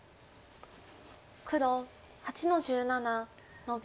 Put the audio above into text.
黒８の十七ノビ。